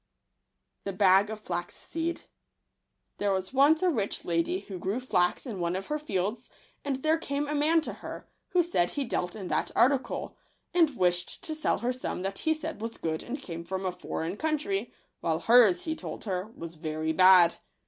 Digitized by Google JL_ u i&g&eKtBstRi ®&e 3$ag Of was once a rich lady who grew flax in one of her fields ; and there came a man to her, who said he dealt in that article, and wished to sell her some that he said was good and came from a foreign country, while hers, he told her, was very bad.